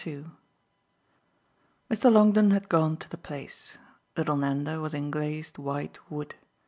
II Mr. Longdon had gone to the place little Nanda was in glazed white wood.